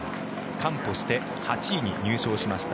完歩して８位に入賞しました。